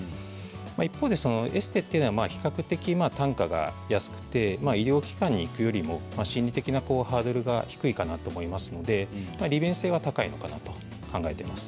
一方でエステというのは比較的に単価が安くて医療機関に行くよりも心理的なハードルが低いかなと思いますので利便性は高いのかなと考えています。